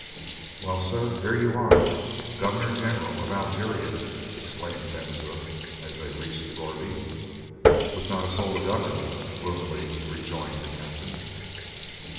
"Well, sir, here you are, Governor General of Algeria!" exclaimed Ben Zoof, as they reached the gourbi. "With not a soul to govern," gloomily rejoined the captain.